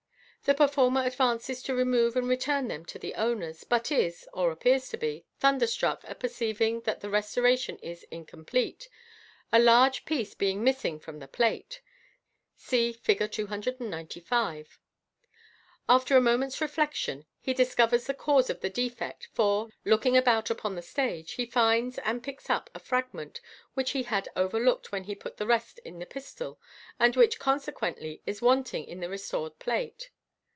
The performer advances to remove and return them to the owners, but is (or appears to be) thunderstruck at perceiv ing that the restoration is incomplete, a large piece being missing from the plate. (See Fig. 295.) After a moment's reflection, he discovers the cause of the defect, for, looking about upon the stage, he finds and picks up a fragment which he had overlooked when he put the test in the pistol, and which consequently is wanting in the restored plate.